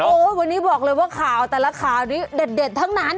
โอ้โหวันนี้บอกเลยว่าข่าวแต่ละข่าวนี้เด็ดทั้งนั้น